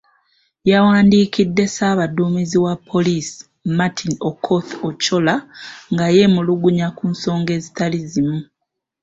Yawandiikidde ssaabaduumizi wa poliisi, Martin Okoth Ochola, nga yeemulugunya ku nsonga ezitali zimu.